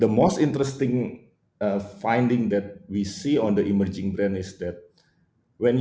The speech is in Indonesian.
tapi yang paling menarik yang kami lihat di brand pengembaraan adalah